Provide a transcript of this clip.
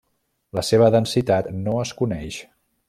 La seva densitat no es coneix.